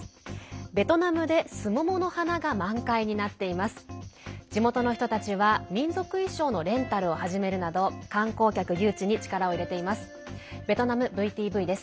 ベトナムですももの花が満開になっています。